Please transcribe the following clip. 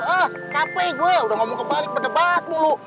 ah kp gue udah ngomong kebalik berdebat mulu